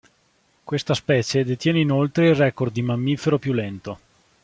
Questa specie detiene inoltre il record di mammifero più lento.